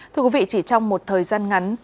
thưa quý vị chỉ trong một thời gian ngắn